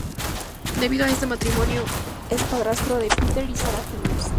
Debido a este matrimonio, es padrastro de Peter y Zara Phillips.